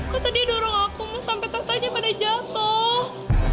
masa dia dorong aku mau sampai tasanya pada jatuh